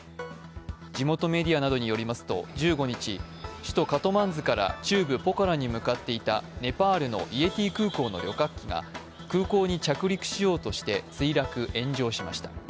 地元メディアなどによりますと１５日首都カトマンズから中部ポカラに向かっていたネパールのイエティ航空の旅客機が空港に着陸しようとして墜落炎上しました。